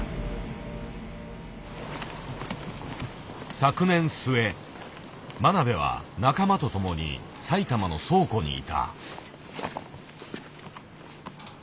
昨年末真鍋は仲間と共に埼玉の倉庫にいた。